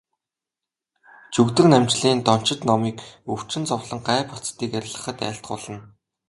Жүгдэрнамжилын дончид номыг өвчин зовлон, гай барцдыг арилгахад айлтгуулна.